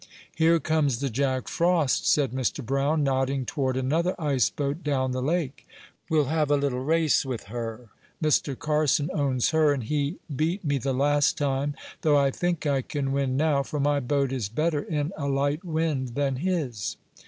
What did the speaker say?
"Here comes the Jack Frost," said Mr. Brown, nodding toward another ice boat down the lake. "We'll have a little race with her. Mr. Carson owns her, and he beat me the last time, though I think I can win now, for my boat is better in a light wind than his."